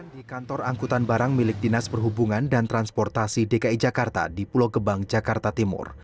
di kantor angkutan barang milik dinas perhubungan dan transportasi dki jakarta di pulau gebang jakarta timur